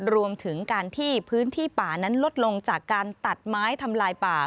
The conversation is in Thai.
รวมถึงการที่พื้นที่ป่านั้นลดลงจากการตัดไม้ทำลายป่า